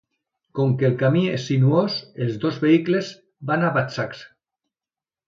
Com que el camí és sinuós els dos vehicles van a batzacs.